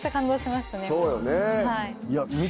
そうよね。